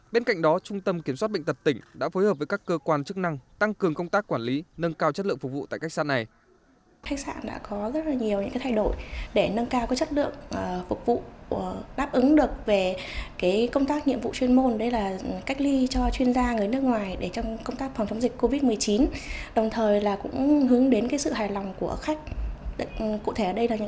bên cạnh đó trung tâm kiểm soát bệnh tật tỉnh đã phối hợp với các cơ quan chức năng tăng cường công tác quản lý nâng cao chất lượng phục vụ tại khách sạn này